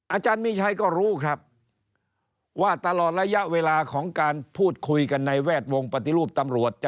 อาจารย์มีชัยก็รู้ครับว่าตลอดระยะเวลาของการพูดคุยกันในแวดวงปฏิรูปตำรวจ